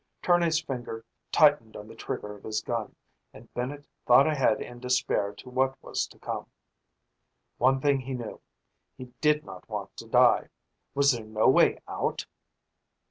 Tournay's finger tightened on the trigger of his gun and Bennett thought ahead in despair to what was to come. One thing he knew: He did not want to die! Was there no way out?